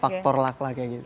faktor luck lah kayak gitu